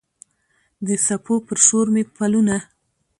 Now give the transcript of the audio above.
د څپو پر شور مې پلونه